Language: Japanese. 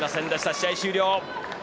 試合終了。